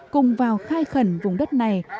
cùng vào khai khẩn vùng đất này